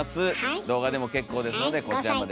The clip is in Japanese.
動画でも結構ですのでこちらまで。